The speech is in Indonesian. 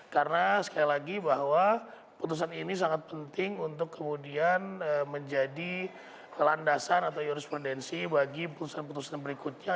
karena sekali lagi bahwa putusan ini sangat penting untuk kemudian menjadi landasan atau yurisprudensi bagi putusan putusan berikutnya